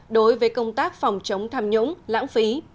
đối với công tác phòng chống tham nhũng lãng phí